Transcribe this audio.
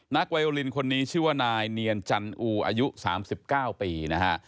ไวโอลินคนนี้ชื่อว่านายเนียนจันอูอายุ๓๙ปีนะฮะ